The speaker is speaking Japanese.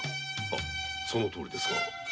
そのとおりですが？